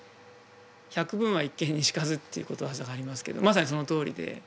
「百聞は一見にしかず」っていうことわざがありますけどまさにそのとおりで。